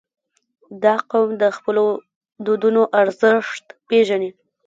• دا قوم د خپلو دودونو ارزښت پېژني.